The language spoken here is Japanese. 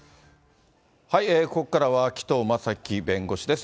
ここからは紀藤正樹弁護士です。